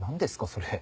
それ。